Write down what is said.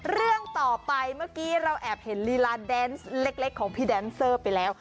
เรื่องต่อไปเมื่อกี้เราแอบเห็นลีลาแดนส์เล็กของพี่แดนเซอร์ไปแล้ว